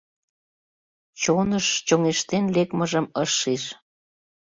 Чонын чоҥештен лекмыжым ыш шиж...